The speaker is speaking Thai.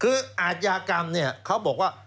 คืออาทยากรรมเนี่ยเขาบอกว่า